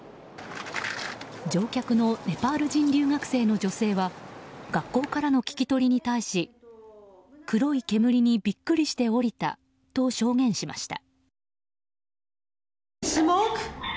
乗客のネパール人留学生の女性は学校からの聞き取りに対し黒い煙にビックリして降りたと証言しました。